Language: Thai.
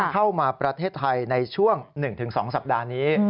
เข้ามาประเทศไทยในช่วง๑๒สัปดาห์นี้